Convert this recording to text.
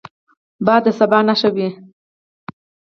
باد د سبا نښه وي